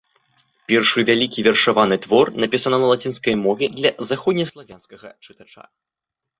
Першы вялікі вершаваны твор, напісаны на лацінскай мове для заходнеславянскага чытача.